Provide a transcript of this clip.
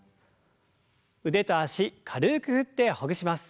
腕と脚軽く振ってほぐします。